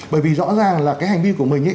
bởi vì rõ ràng là cái hành vi của mình ấy